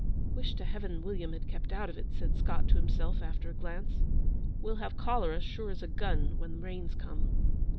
'Wish to Heaven William had kept out of it,' said Scott to himself, after a glance. 'We'll have cholera, sure as a gun, when the Rains come.'